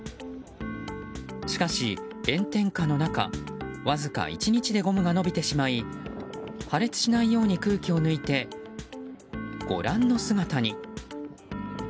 しかし、炎天下の中わずか１日でゴムが伸びてしまい破裂しないように空気を抜いてご覧の姿に。